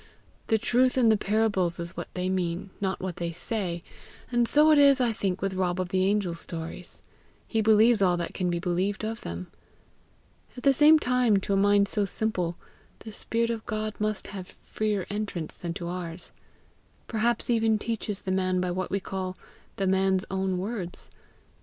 The truth in the parables is what they mean, not what they say; and so it is, I think, with Rob of the Angels' stories. He believes all that can be believed of them. At the same time, to a mind so simple, the spirit of God must have freer entrance than to ours perhaps even teaches the man by what we call THE MAN'S OWN WORDS.